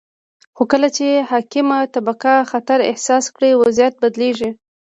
خو کله چې حاکمه طبقه خطر احساس کړي، وضعیت بدلیږي.